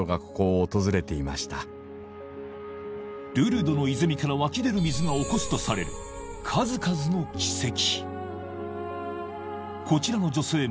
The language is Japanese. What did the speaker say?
ルルドの泉から湧き出る水が起こすとされる数々の奇跡